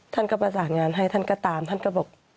ท่านก็ประสานงานให้ท่านก็ตามท่านก็บอก